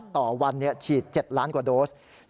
ต่อวันฉีด๗ล้านกว่าโดส